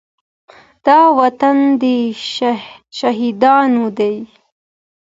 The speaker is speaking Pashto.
دا وطن د شهيدانو دی.